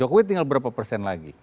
jokowi tinggal berapa persen lagi